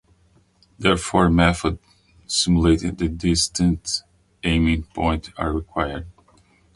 Therefore, methods of simulating a distant aiming point are required.